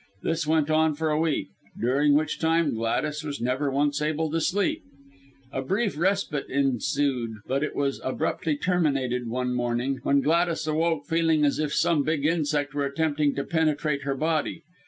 This went on for a week, during which time Gladys was never once able to sleep. A brief respite ensued; but it was abruptly terminated one morning, when Gladys awoke feeling as if some big insect were attempting to penetrate her body.